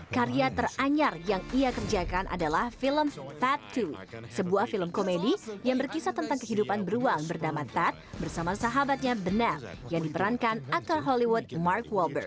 karya teranyar yang ia kerjakan adalah film tad dua sebuah film komedi yang berkisah tentang kehidupan beruang bernama tad bersama sahabatnya bena yang diperankan aktor hollywood mark walber